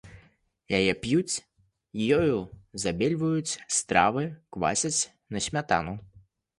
Яе п'юць, ёю забельваюць стравы, квасяць на смятану.